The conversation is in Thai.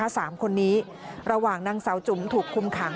สามคนนี้ระหว่างนางสาวจุ๋มถูกคุมขัง